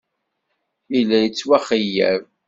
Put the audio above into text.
Yella yettwaxeyyeb.